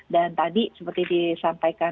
dan tadi seperti disampaikan